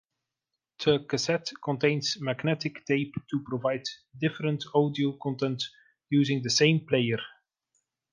The cassette contains magnetic tape to provide different audio content using the same player.